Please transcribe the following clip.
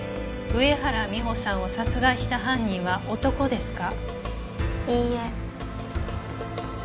上原美帆さんを殺害した犯人は男ですか。